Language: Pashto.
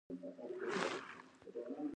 درې اویایم سوال د پلانګذارۍ په اړه دی.